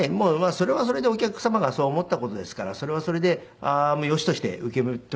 それはそれでお客様がそう思った事ですからそれはそれでよしとして受け止めていましたけれども。